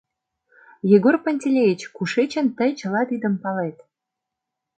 — Егор Пантелеич, кушечын тый чыла тидым палет?